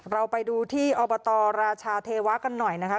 เราไปดูที่อบตราชาเทวะกันหน่อยนะคะ